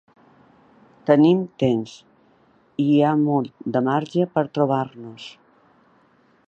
Tenim temps i hi ha molt de marge per trobar-nos.